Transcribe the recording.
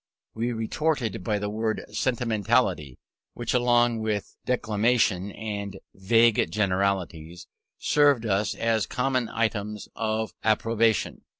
We retorted by the word "sentimentality," which, along with "declamation" and "vague generalities," served us as common terms of opprobrium.